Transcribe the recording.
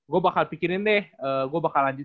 gue bakal pikirin deh gue bakal lanjut